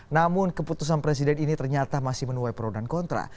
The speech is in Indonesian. namun keputusan presiden ini ternyata masih menuai pro dan kontra